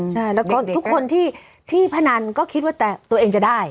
ใช่แล้วก็ทุกคนที่พนันก็คิดว่าแต่ตัวเองจะได้